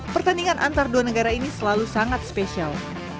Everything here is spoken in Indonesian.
pertandingan antar dua negara ini selalu sangat spesial